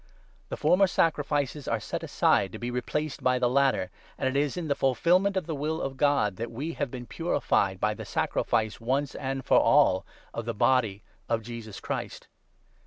The former sacrifices are set aside to be replaced by the latter. And it is in the fulfilment of the will of God that 10 we have been purified by the sacrifice, once and for all, of the body of Jesus Christ.